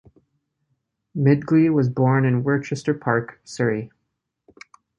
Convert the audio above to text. Midgley was born in Worcester Park, Surrey.